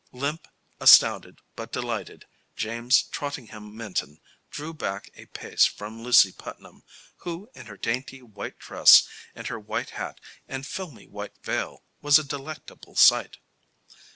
Limp, astounded, but delighted, James Trottingham Minton drew back a pace from Lucy Putnam, who, in her dainty white dress and her white hat and filmy white veil, was a delectable sight.